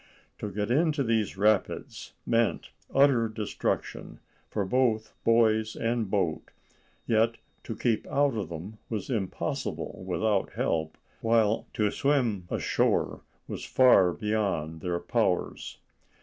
To get into these rapids meant utter destruction for both boys and boat, yet to keep out of them was impossible without help, while to swim ashore was far beyond their powers.